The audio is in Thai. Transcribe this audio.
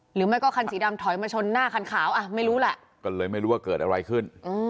หรือไม่ก็คันสีดำถอยมาชนหน้าคันขาวอ่ะไม่รู้แหละก็เลยไม่รู้ว่าเกิดอะไรขึ้น